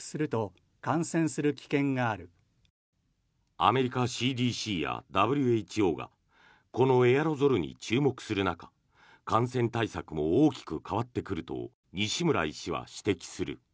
アメリカＣＤＣやＷＨＯがこのエアロゾルに注目する中感染対策も大きく変わってくると西村医師は指摘する。